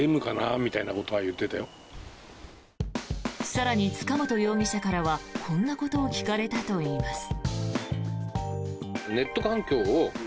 更に塚本容疑者からはこんなことを聞かれたといいます。